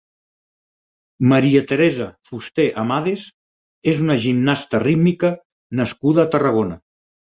Maria Teresa Fuster Amades és una gimnasta rítmica nascuda a Tarragona.